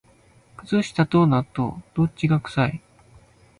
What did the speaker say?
靴下と納豆、どっちが臭い？